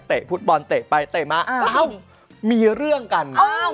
ฟุตบอลเตะไปเตะมาเอ้ามีเรื่องกัน